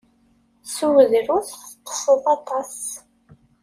Sew drus, teṭṭseḍ aṭas.